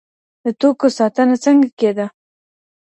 د توکو ساتنه څنګه کيده؟